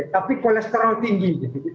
tapi kolesterol tinggi